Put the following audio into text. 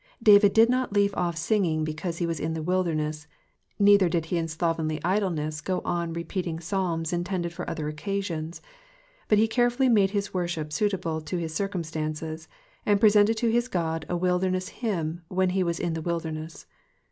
David did not leave off singing because he noas m the wilderness, neither did he in slovenly idleness go on re peating Psahns intended for other occasio)is ; but he carefully made his loorship suitable to his circumstances, and presented to his God a wUdemess hymn when he voas in Uie wUdemess.